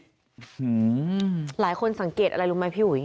หลายคนสังเกตอะไรรู้ไหมพี่อุ๋ย